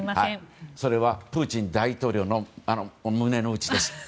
それはプーチン大統領の胸の内です。